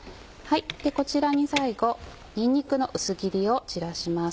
こちらに最後にんにくの薄切りを散らします。